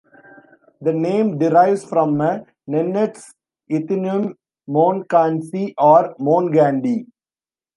The name derives from a Nenets ethnonym "Monkansi" or "Mongandi".